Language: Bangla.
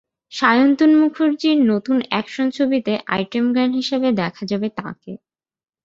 সায়ন্তন মুখার্জির নতুন অ্যাকশন ছবিতে আইটেম গার্ল হিসেবে দেখা যাবে তাঁকে।